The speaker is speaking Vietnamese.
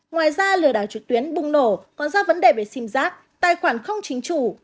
ngoài ra lừa đảo trực tuyến bùng nổ còn do vấn đề về sim giác tài khoản không chính chủ